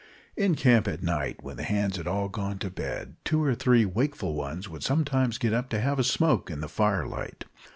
In camp at night, when the hands had all gone to bed, two or three wakeful ones would sometimes get up to have a smoke in the fire light.